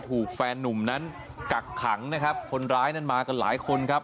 ถูกแฟนนุ่มนั้นกักขังนะครับคนร้ายนั้นมากันหลายคนครับ